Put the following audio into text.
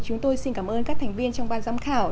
chúng tôi xin cảm ơn các thành viên trong ban giám khảo